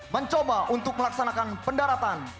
mencoba untuk melaksanakan pendaratan